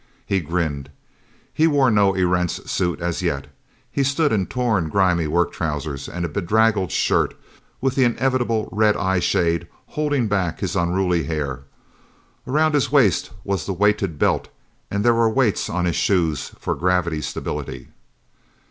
He grinned. He wore no Erentz suit as yet. He stood in torn grimy work trousers and a bedraggled shirt, with the inevitable red eyeshade holding back his unruly hair. Around his waist was the weighted belt, and there were weights on his shoes for gravity stability.